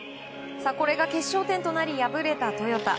これが決勝点となり敗れたトヨタ。